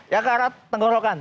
ya ke arah tenggorokan